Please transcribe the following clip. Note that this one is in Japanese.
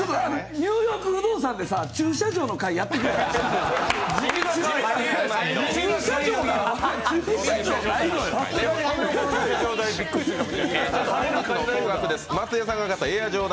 「ニューヨーク不動産」で駐車場の回やってくれないかな。